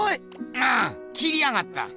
ああ切りやがった。